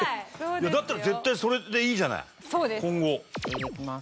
だったら絶対それでいいじゃない今後。